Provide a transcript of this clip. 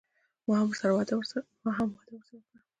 ما هم وعده ورسره وکړه.